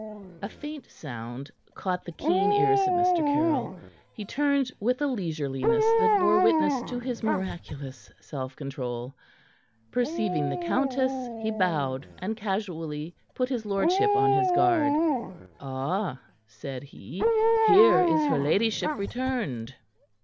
A faint sound caught the keen ears of Mr. Caryll. He turned with a leisureliness that bore witness to his miraculous self control. Perceiving the countess, he bowed, and casually put his lordship on his guard. "Ah!" said he. "Here is her ladyship returned."